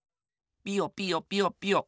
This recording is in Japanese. ピヨピヨピヨピヨ。